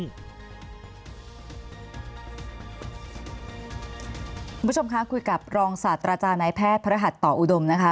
คุณผู้ชมคะคุยกับรองศาสตราจารย์นายแพทย์พระรหัสต่ออุดมนะคะ